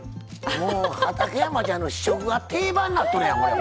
畠山ちゃんの試食が定番になっとるやん！